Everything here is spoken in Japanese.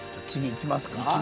いきますか？